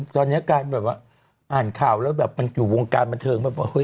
ตอนนี้การแบบว่าอาหารข่าวแล้วอยู่วงการบันเทิง